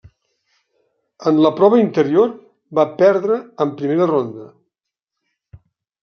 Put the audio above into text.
En la prova interior va perdre en primera ronda.